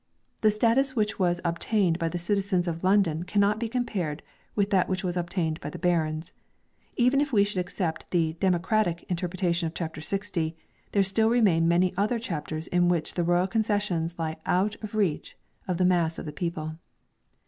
The status which was ob tained by the citizens of London cannot be compared with that which was obtained by the barons. Even if we should accept the " democratic" interpretation of chapter 6O, 1 there still remain many other chapters in which the royal concessions lie out of reach of the mass of the people.